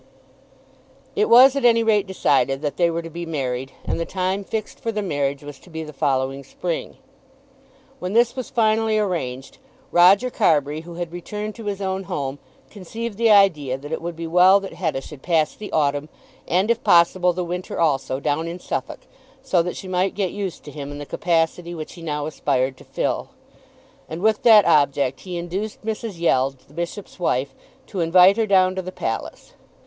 It was at any rate decided that they were to be married, and the time fixed for the marriage was to be the following spring. When this was finally arranged Roger Carbury, who had returned to his own home, conceived the idea that it would be well that Hetta should pass the autumn and if possible the winter also down in Suffolk, so that she might get used to him in the capacity which he now aspired to fill; and with that object he induced Mrs. Yeld, the Bishop's wife, to invite her down to the palace.